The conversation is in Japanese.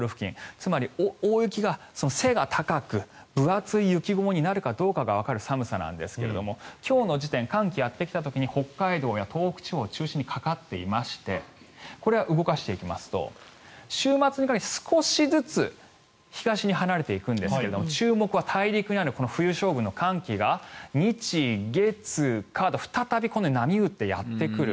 つまり、大雪が背が高く分厚い雪雲になるかどうかがわかる寒さなんですが今日の時点寒気がやってきた時に北海道や東北地方を中心にかかっていましてこれを動かしていきますと週末にかけて少しずつ東に離れていくんですが注目は大陸にある冬将軍の寒気が日、月、火と再び波打ってやってくる。